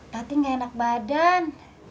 tati gak enak badan